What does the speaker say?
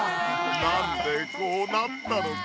なんでこうなったのか。